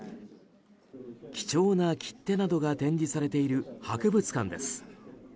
貴重な切手などが展示されている博物館です。